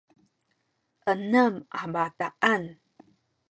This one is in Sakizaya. enem a bataan